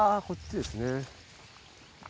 あこっちですね。